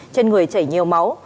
trên người chảy nhiều máu